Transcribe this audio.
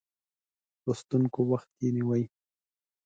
لوستونکو وخت یې نیوی.